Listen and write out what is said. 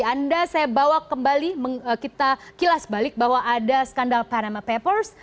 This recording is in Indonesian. anda saya bawa kembali kita kilas balik bahwa ada skandal panama papers